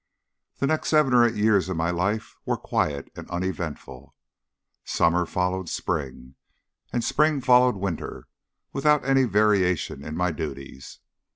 The next seven or eight years of my life were quiet and uneventful. Summer followed spring, and spring followed winter, without any variation in my duties.